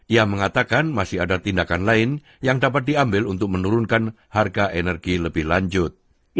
ia mengatakan masih ada tindakan lain yang dapat diambil untuk menurunkan harga energi lebih lanjut